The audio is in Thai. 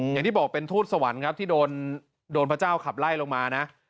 อย่างที่บอกเป็นทูตสวรรค์ครับที่โดนพระเจ้าขับไล่ลงมานะ